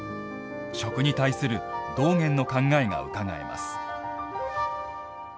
食に対する道元の考えがうかがえます。